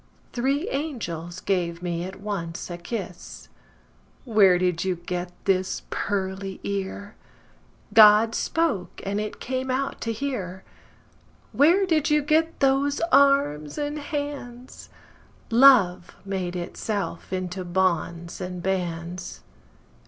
Three angels gave me at once a kiss. Where did you get this pearly ear? God spoke, and it came out to hear. Where did you get those arms and hands? Love made itself into bonds and bands.